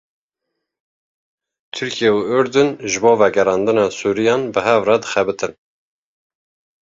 Tirkiye û Urdunê ji bo vegerandina Sûriyan bi hev re dixebitin.